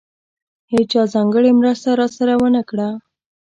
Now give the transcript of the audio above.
هېچا ځانګړې مرسته راسره ونه کړه.